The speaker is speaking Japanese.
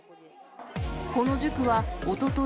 この塾はおととい